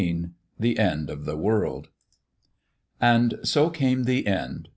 XVII THE END OF THE WORLD AND so came the end.